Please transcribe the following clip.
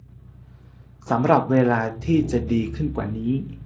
สำหรับเวลาที่จะดีขึ้นกว่านี้